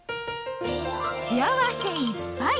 幸せいっぱい！